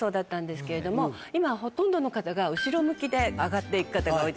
今ほとんどの方が後ろ向きで上がって行く方が多いですね。